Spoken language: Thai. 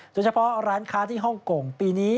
เฉพาะร้านค้าที่ฮ่องกงปีนี้